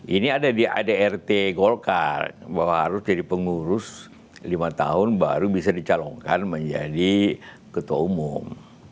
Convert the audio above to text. ini ada di adrt golkar bahwa harus jadi pengurus lima tahun baru bisa dicalonkan menjadi ketua umum